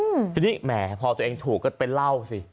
อืมทีนี้แหมพอตัวเองถูกก็ไปเล่าสิ